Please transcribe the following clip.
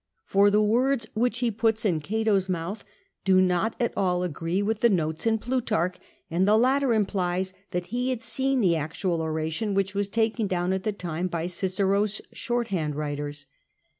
For the words which he puts in Cato's mouth do not at all agree with the notes in Plutarch, and the latter implies that he had seen the actual oration, which was taken down at the time by Cicero's shorthand writers.